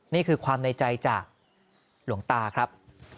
นี่คือความในใจจากหลวงตาครับ